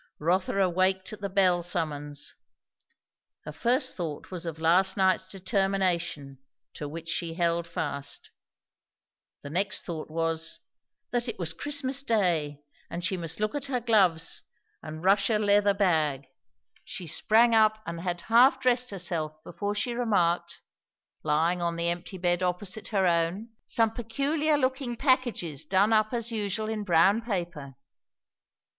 Rotha awaked at the bell summons. Her first thought was of last night's determination, to which she held fast; the next thought was, that it was Christmas day, and she must look at her gloves and Russia leather bag. She sprang up, and had half dressed herself before she remarked, lying on the empty bed opposite her own, some peculiar looking packages done up as usual in brown paper.